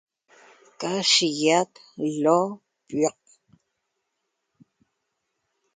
Ca shiguiaq ilo llaq